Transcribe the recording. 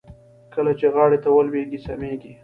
کله چې غاړې ته ولوېږي سميږي.